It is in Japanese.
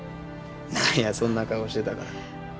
何やそんな顔してたから。